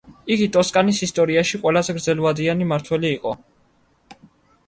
იგი ტოსკანის ისტორიაში ყველაზე გრძელვადიანი მმართველი იყო.